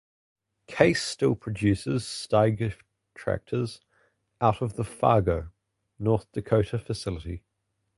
Case still produces Steiger tractors out of the Fargo, North Dakota facility.